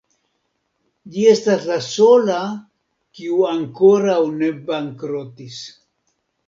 Ĝi estas la sola, kiu ankoraŭ ne bankrotis.